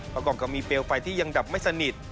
ประกอบกับมีเปลวไฟที่ยังดับไม่สนิท